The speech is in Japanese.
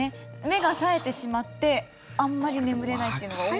目が冴えてしまってあんまり眠れないというのが多い。